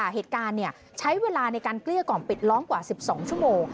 ประเทศกาลเนี่ยใช้เวลาในการเกลี้ยกล่อมปิดล้อมกว่าสิบสองชั่วโมง